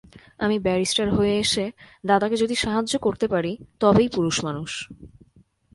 আমি ব্যারিস্টার হয়ে এসে দাদাকে যদি সাহায্য করতে পারি তবেই পুরুষমানুষ।